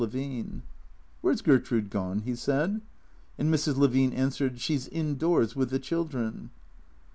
Levine, " "VMiere 's Gertrude gone ?" he said. And Mrs. Levine answered, " She 's indoors with the chil dren."